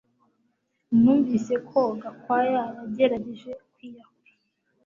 Numvise ko Gakwaya yagerageje kwiyahura